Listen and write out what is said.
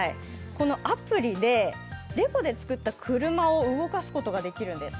このアプリでレゴで作った車を動かすことができるんです。